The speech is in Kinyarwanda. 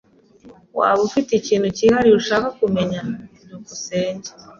Waba ufite ikintu cyihariye ushaka kumenya? byukusenge